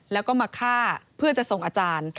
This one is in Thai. แล้วก็มาฆ่าเพื่อจะส่งอาจารย์